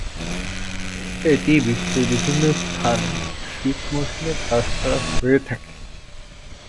এটি বিশ্বের বিভিন্ন স্থানে শীত মৌসুমে চাষ করা হয়ে থাকে।